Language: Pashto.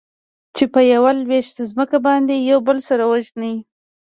چې په يوه لوېشت ځمکه باندې يو بل سره وژني.